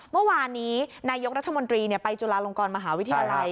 เมื่อวานนี้นายกรัฐมนตรีไปจุฬาลงกรมหาวิทยาลัย